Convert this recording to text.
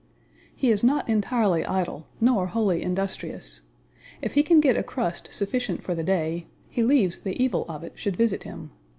He is not entirely idle, nor wholly industrious. If he can get a crust sufficient for the day, he leaves the evil of it should visit him.